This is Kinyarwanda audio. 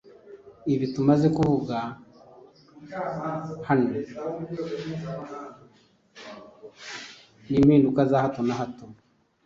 Ibi tumaze kuvuga bituma habaho n’impanuka za hato na hato